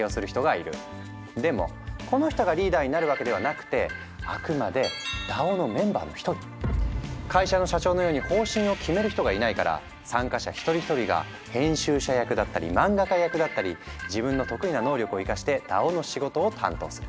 でもこの人がリーダーになるわけではなくて会社の社長のように方針を決める人がいないから参加者一人一人が編集者役だったり漫画家役だったり自分の得意な能力を生かしてＤＡＯの仕事を担当する。